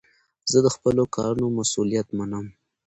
زه د خپلو کارونو مسئولیت منم.